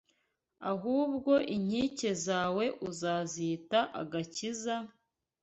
Ahubwo inkike zawe uzazita Agakiza,